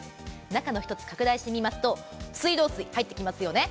中の１つ、拡大してみますと、水道水、入ってきますよね。